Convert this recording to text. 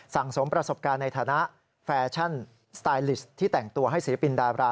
สมประสบการณ์ในฐานะแฟชั่นสไตลิสต์ที่แต่งตัวให้ศิลปินดารา